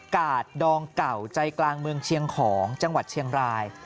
กาดดองเก่าใจกลางเมืองเชียงของจังหวัดเชียงราย